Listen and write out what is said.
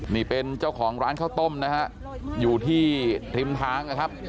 นี่เป็นเจ้าของร้านข้าวต้มนะฮะอยู่ที่ริมทางนะครับ